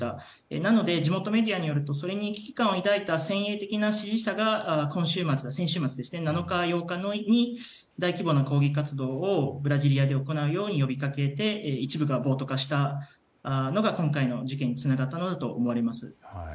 なので地元メディアによるとそれに危機感を抱いた先鋭的な支持者が先週末７日、８日に大規模な抗議活動をブラジリアで行うよう呼び掛けて一部が暴徒化したのが今回の事件につながったのだと思われます。